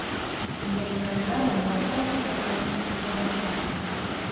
Невялікая зала была цалкам запоўненая гледачамі.